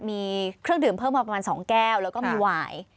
มีเครื่องดื่มเพิ่มมาประมาณ๒แก้วแล้วก็มีหวาย